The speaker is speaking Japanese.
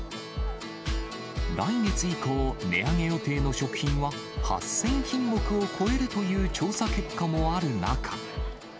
来月以降、値上げ予定の食品は、８０００品目を超えるという調査結果もある中。